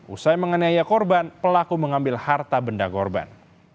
usai menganiaya korban pelaku mengambil harta benda korban